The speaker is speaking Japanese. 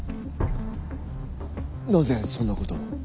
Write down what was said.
なぜそんなことを？